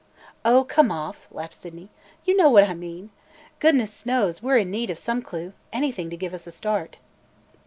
"Oh, come off!" laughed Sydney. "You know what I mean! Goodness knows, we 're in need of some clue, anything to give us a start!"